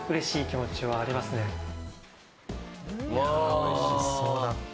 おいしそうだった。